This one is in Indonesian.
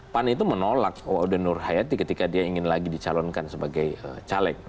pan itu menolak waude nur hayati ketika dia ingin lagi dicalonkan sebagai caleg